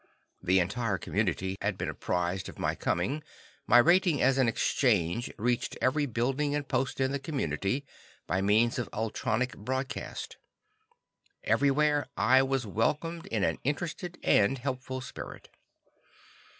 The entire community had been apprised of my coming, my rating as an "exchange" reaching every building and post in the community, by means of ultronic broadcast. Everywhere I was welcomed in an interested and helpful spirit.